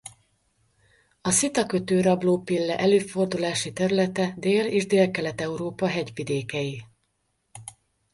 A szitakötő-rablópille előfordulási területe Dél- és Délkelet-Európa hegyvidékei.